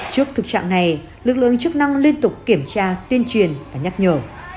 trước thực trạng này lực lượng chức năng liên tục kiểm tra tuyên truyền và nhắc nhở